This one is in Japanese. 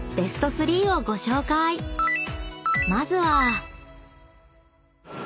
［まずは］